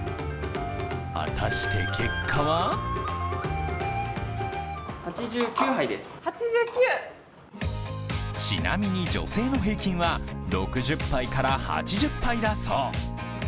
果たして、結果はちなみに女性の平均は６０杯から８０杯だそう。